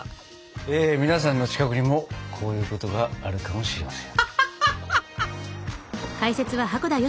え皆さんの近くにもこういうことがあるかもしれません。